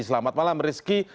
selamat malam rizky